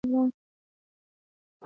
خوب راځي ، ډوډۍ راوړه